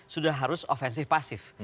sudah harus ofensif pasif